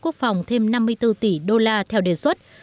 quốc phòng thêm năm mươi bốn tỷ đô la theo đề xuất